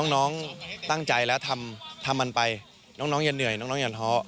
น้องตั้งใจแล้วทำมันไปน้องอย่าเหนื่อยน้องอย่าท้อ